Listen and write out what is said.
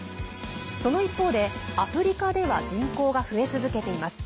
その一方で、アフリカでは人口が増え続けています。